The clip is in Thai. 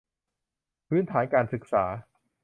พื้นฐานการศึกษา